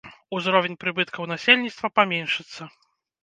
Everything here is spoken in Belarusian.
Узровень прыбыткаў насельніцтва паменшыцца.